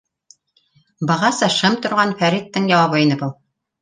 — Бығаса шым торған Фәриттең яуабы ине был.